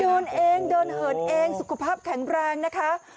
เดินเองเดินเหินเองสุขภาพแข็งแรงนะคะ